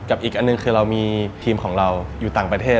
อีกอันหนึ่งคือเรามีทีมของเราอยู่ต่างประเทศ